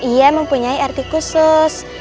ia mempunyai arti khusus